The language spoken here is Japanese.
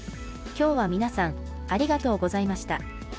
きょうは皆さんありがとうございました。